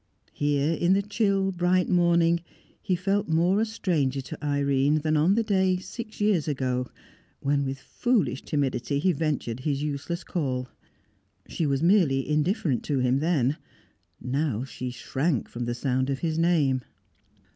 Here, in the chill bright morning, he felt more a stranger to Irene than on the day, six years ago, when with foolish timidity he ventured his useless call. She was merely indifferent to him then; now she shrank from the sound of his name.